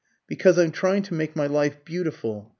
" because I'm trying to make my life beautiful.